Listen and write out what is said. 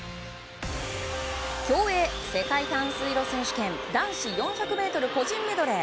競泳世界短水路選手権男子４００ｍ個人メドレー。